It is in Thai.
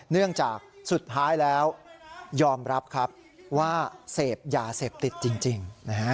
เนื่องจากสุดท้ายแล้วยอมรับครับว่าเสพยาเสพติดจริง